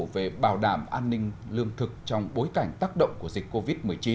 về bảo đảm an ninh lương thực trong bối cảnh tác động của dịch covid một mươi chín